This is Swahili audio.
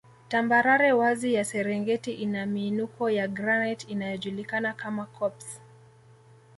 Tambarare wazi ya Serengeti ina miinuko ya granite inayojulikana kama koppes